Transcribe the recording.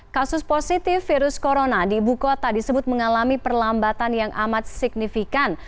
kasus positif virus corona di ibu kota disebut mengalami perlambatan yang amat signifikan